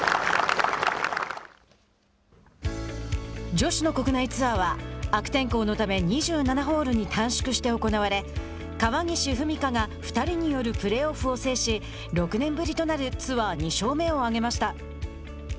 女子の国内ツアーは悪天候のため２７ホールに短縮して行われ川岸史果が２人によるプレーオフを制し６年ぶりとなるツアー２勝目を挙げました。